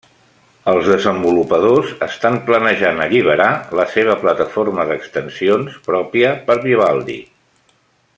Els desenvolupadors estan planejant alliberar la seva plataforma d'extensions pròpia per Vivaldi.